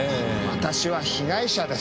私は被害者です。